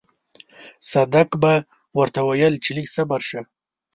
صدک به ورته ويل چې لږ صبر شه.